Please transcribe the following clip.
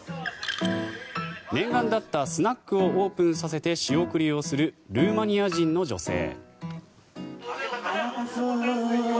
念願だったスナックをオープンさせて仕送りをするルーマニア人の女性。